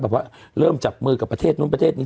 แบบว่าเริ่มจับมือกับประเทศนู้นประเทศนี้